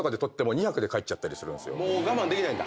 もう我慢できないんだ？